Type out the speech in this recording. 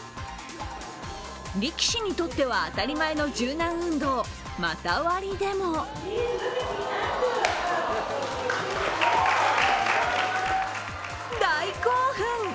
力士にとっては当たり前の柔軟運動、股割りでも大興奮。